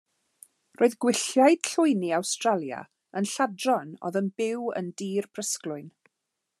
Roedd Gwylliaid Llwyni Awstralia yn lladron oedd yn byw ar dir prysglwyn.